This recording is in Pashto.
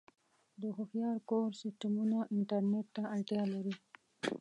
د هوښیار کور سیسټمونه انټرنیټ ته اړتیا لري.